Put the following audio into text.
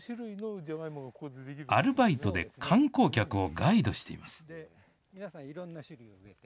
アルバイトで観光客をガイドしています。